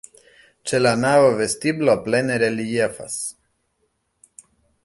Ĉe la navo vestiblo plene reliefas.